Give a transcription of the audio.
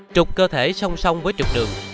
trục cơ thể song song với trục đường